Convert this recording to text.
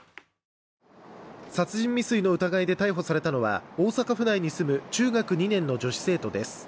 殺人未遂の疑いで逮捕されたのは、大阪府内に住む中学２年の女子生徒です。